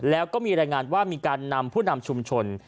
แล้วก็มีรายงานว่ามีการนำผู้นำชุมชน